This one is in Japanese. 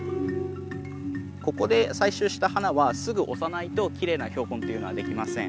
ここで採集した花はすぐ押さないときれいな標本っていうのはできません。